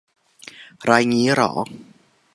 ไรงี้เหรอ